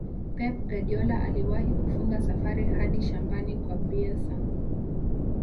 pep guardiola aliwahi kufunga safari hadi shambani kwa bielsa